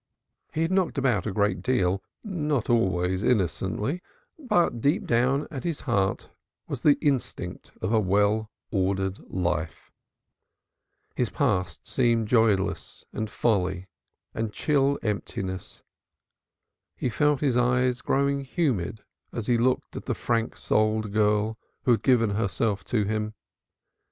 He had knocked about a great deal, not always innocently, but deep down at his heart was the instinct of well ordered life. His past seemed joyless folly and chill emptiness. He felt his eyes growing humid as he looked at the frank souled girl who had given herself to him.